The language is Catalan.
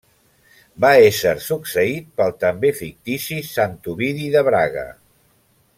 Va ésser succeït pel també fictici Sant Ovidi de Braga.